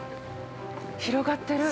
広がってる。